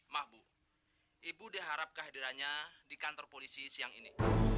mahbu ibu diharap kehadirannya di kantor polisi siang ini